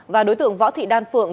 và đối tượng võ thị đan phượng